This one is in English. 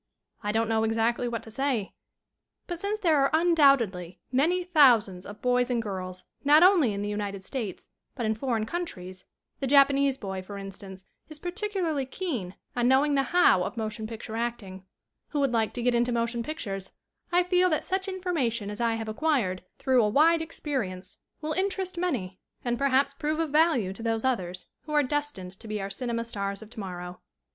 I don't know exactly what to say. But since there are undoubtedly many thou sands of boys and girls not only in the United States but in foreign countries the Japanese boy, for instance, is particularly keen on know ing the how of motion picture acting who would like to get into motion pictures, I feel that such information as I have acquired through a wide experience will interest many and perhaps prove of value to those others who are destined to be our cinema stars of tomorrow.